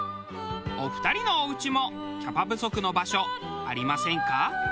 お二人のおうちもキャパ不足の場所ありませんか？